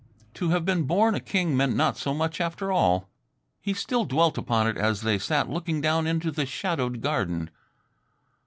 To have been born a king meant not so much after all. He still dwelt upon it as they sat looking down into the shadowed garden.